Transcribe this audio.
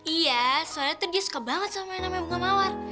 iya soalnya tuh dia suka banget sama yang namanya bunga mawar